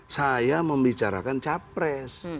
saya membicarakan capres